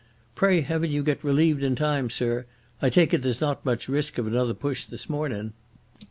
Pray Heaven you get relieved in time, sir. I take it there's not much risk of another push this mornin'?"